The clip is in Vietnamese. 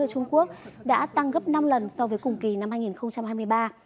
trung quốc đã tăng gấp năm lần so với cùng kỳ năm hai nghìn hai mươi ba